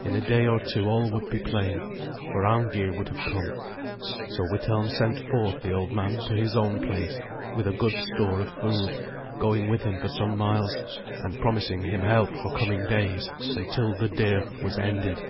In a day or two all would he plain, for Arngeir would have come. So Withelm sent forth the old man to his own place with a good store of food, going with him for some miles, and promising him help for coming days until the dearth was ended.